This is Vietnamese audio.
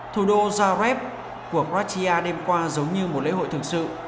thủ đô zareb của quartia đêm qua giống như một lễ hội thực sự